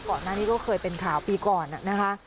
ก่อนหน้านี้ก็เคยเป็นข่าวปีก่อนนะคะ